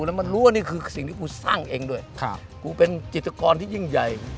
แล้วมันรู้ว่านี่คือสิ่งที่กูสร้างเองด้วยกูเป็นจิตกรที่ยิ่งใหญ่